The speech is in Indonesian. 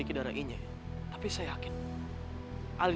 aku harus cari harimau